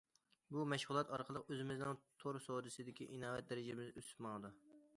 بۇ مەشغۇلات ئارقىلىق ئۆزىمىزنىڭ تور سودىسىدىكى ئىناۋەت دەرىجىمىز ئۆسۈپ ماڭىدۇ.